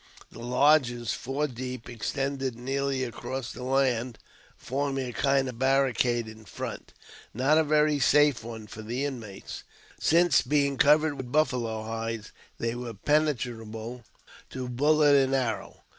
The lodges, four deep, extended nearly across the land, forming a kind of barricade in front ; not a very safe one for the inmates, since being covered with buffalo hides, they were penetrable to bullet and arrow.